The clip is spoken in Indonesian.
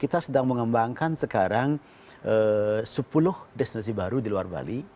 kita sedang mengembangkan sekarang sepuluh destinasi baru di luar bali